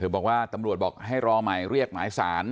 บอกว่าตำรวจบอกให้รอใหม่เรียกหมายสาร